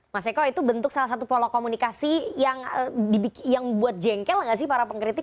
mas eko itu bentuk salah satu pola komunikasi yang buat jengkel nggak sih para pengkritik